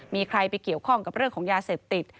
มีใครไปเกี่ยวข้องกับเรื่องของยาเสพติด